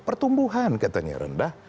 pertumbuhan katanya rendah